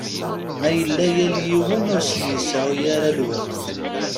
Ma yella yal yiwen ur asen-iseɛɛu ara lweqt.